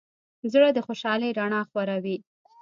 زړه د خوشحالۍ رڼا خوروي.